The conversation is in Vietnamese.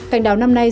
cành đào năm nay